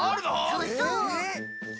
そうそう。